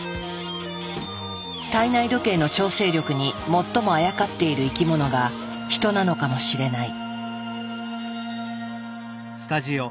体内時計の調整力に最もあやかっている生き物がヒトなのかもしれない。